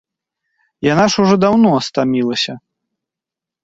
Яна ж ужо даўно стамілася.